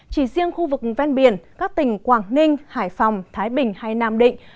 chỉ riêng khu vực ven biển các tỉnh quảng ninh hải phòng thái bình hay nam định